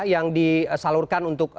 yang disalurkan untuk